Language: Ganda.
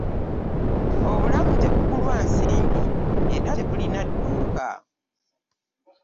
Obulamu tebugulwa nsimbi era tebulina dduuka.